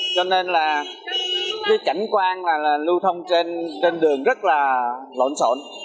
cho nên là cái cảnh quan là lưu thông trên đường rất là lộn xộn